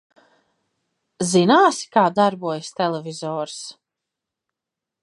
Zināsi, kā darbojas televizors?